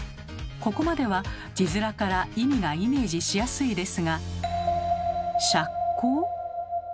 ここまでは字面から意味がイメージしやすいですが「赤口」？